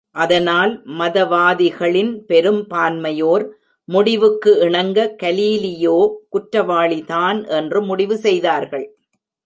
அதனால், மதவாதிகளின் பெரும் பான்மையோர் முடிவுக்கு இணங்க, கலீலியோ குற்றவாளிதான் என்று முடிவு செய்தார்கள்.